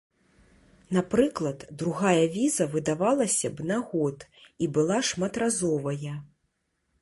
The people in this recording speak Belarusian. Напрыклад, другая віза выдавалася б на год і была шматразовая.